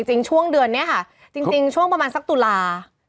ช่วงเดือนนี้ค่ะจริงช่วงประมาณสักตุลา